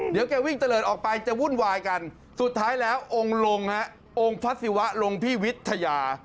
เดี๋ยวแกวิ่งเตลิโดรนออกไปจะวุ่นวายกันสุดท้ายแล้วองค์พัศิวะรงพี่วิธยา